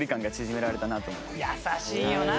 優しいよな。